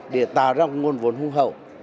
để tạo ra một nguồn vốn hữu hậu